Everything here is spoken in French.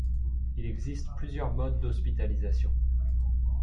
Il existe plusieurs modes d'hospitalisation.